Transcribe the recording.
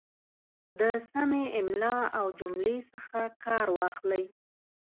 د سمې املا او جملې څخه کار واخلئ